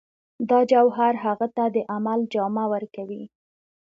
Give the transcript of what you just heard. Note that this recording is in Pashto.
دا جوهر هغه ته د عمل جامه ورکوي